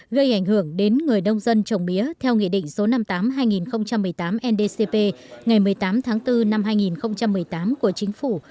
gây ảnh hưởng đến người nông dân trồng mía theo nghị định số năm mươi tám hai nghìn một mươi tám ndcp ngày một mươi tám tháng bốn năm hai nghìn một mươi tám của chính phủ